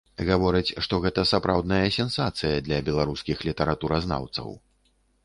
Гавораць, што гэта сапраўдная сенсацыя для беларускіх літаратуразнаўцаў.